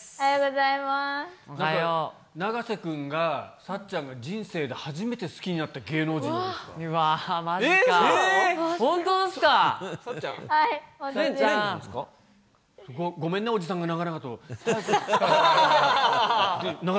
永瀬君がさっちゃんが人生で初めて好きになった芸能人だそううわー、まじっすか。